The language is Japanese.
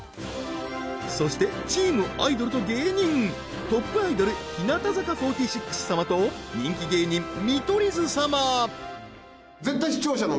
そしてチームアイドルと芸人トップアイドル日向坂４６様と人気芸人見取り図様